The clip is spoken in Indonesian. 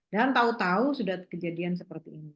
dan tahu tahu sudah kejadian seperti ini